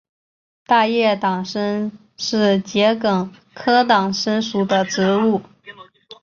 大叶党参是桔梗科党参属的植物。